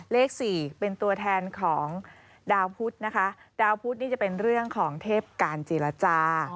เลข๔เป็นตัวแทนของดาวพุทธนะคะดาวพุทธนี่จะเป็นเรื่องของเทพการเจรจา